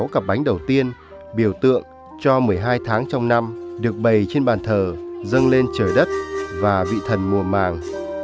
sáu cặp bánh đầu tiên biểu tượng cho một mươi hai tháng trong năm được bày trên bàn thờ dâng lên trời đất và vị thần mùa màng